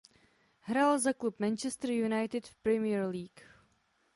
Hrál za klub Manchester United v Premier League.